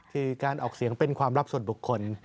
คือการออกเสียงเป็นความลับส่วนบุคคล